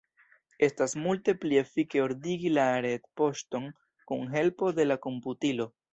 Estas multe pli efike ordigi la retpoŝton kun helpo de la komputilo.